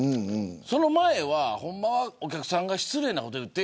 その前はお客さんが失礼なこと言って。